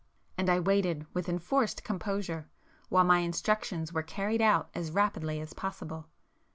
And I waited with enforced composure, while my instructions were carried out as rapidly as possible.